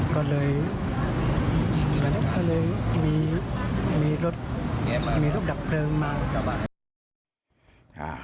ก็เลยก็เลยมีรถดับเพลิงมา